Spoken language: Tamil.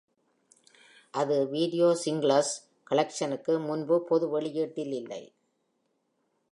அது "Video Singles Collection"க்கு முன்பு பொது வெளியீட்டில் இல்லை.